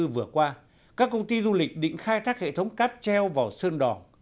như vừa qua các công ty du lịch định khai thác hệ thống cát treo vào sơn đỏ